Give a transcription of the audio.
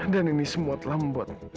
dan ini semua telah membuat